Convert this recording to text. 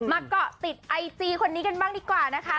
เกาะติดไอจีคนนี้กันบ้างดีกว่านะคะ